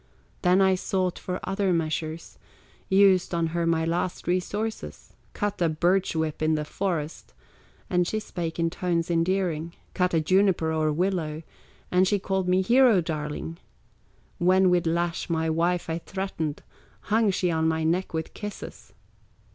Then I sought for other measures, Used on her my last resources, Cut a birch whip in the forest, And she spake in tones endearing; Cut a juniper or willow, And she called me 'hero darling'; When with lash my wife I threatened, Hung she on my neck with kisses."